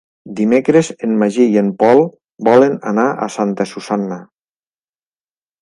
Dimecres en Magí i en Pol volen anar a Santa Susanna.